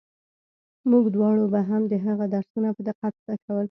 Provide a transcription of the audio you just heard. موږ دواړو به هم د هغه درسونه په دقت زده کول.